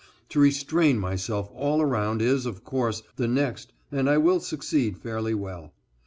To restrain myself all around is, of course, the next, and I will succeed fairly well.